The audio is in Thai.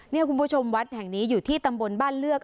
นี่คุณผู้ชมวัดแห่งนี้อยู่ที่ตำบลบ้านเลือก